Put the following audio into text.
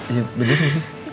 iya bener sih